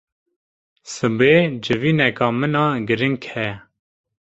Sibê civîneka min a giring heye.